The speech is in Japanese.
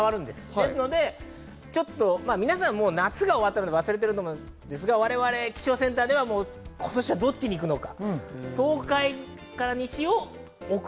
ですので、皆さん夏が終わったら忘れてると思うんですが、われわれ気象センターでは今年はどっちに行くのか。